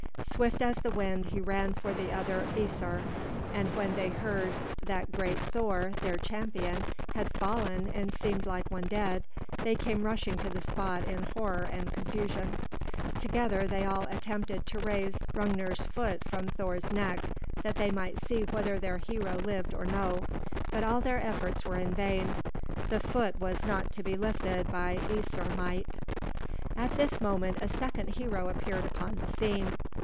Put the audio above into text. Swift as the wind he ran for the other Æsir, and when they heard that great Thor, their champion, had fallen and seemed like one dead, they came rushing to the spot in horror and confusion. Together they all attempted to raise Hrungnir's foot from Thor's neck that they might see whether their hero lived or no. But all their efforts were in vain. The foot was not to be lifted by Æsir might. At this moment a second hero appeared upon the scene.